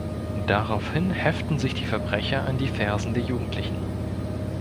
Daraufhin heften sich die Verbrecher an die Fersen der Jugendlichen.